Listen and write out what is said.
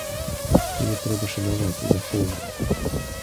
Яе трэба шанаваць і захоўваць.